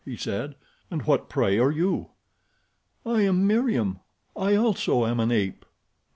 he said. "And what, pray, are you?" "I am Meriem. I, also, am an ape."